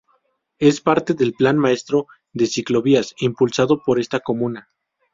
Es parte del plan maestro de ciclovías impulsado por esta comuna.